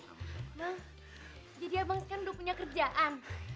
bang jadi abang sekarang sudah punya kerjaan